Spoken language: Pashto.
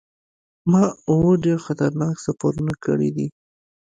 ما اووه ډیر خطرناک سفرونه کړي دي.